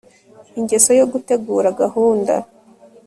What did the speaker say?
ingeso yo gutegura gahunda